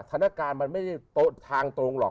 ธนการมันไม่ได้ทางตรงหรอก